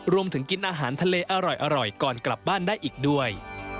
กินอาหารทะเลอร่อยก่อนกลับบ้านได้อีกด้วย